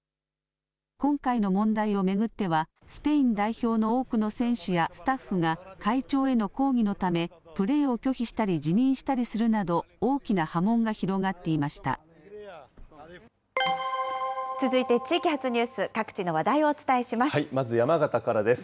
今回の問題を巡っては、スペイン代表の多くの選手やスタッフが、会長への抗議のため、プレーを拒否したり辞任したりするなど、大きな波紋が広がってい続いて地域発ニュース、各地まず山形からです。